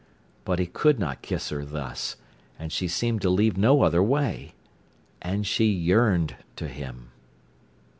But he could not kiss her thus—and she seemed to leave no other way. And she yearned to him.